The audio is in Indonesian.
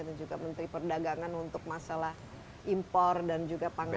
juga menteri perdagangan untuk masalah impor dan juga pangan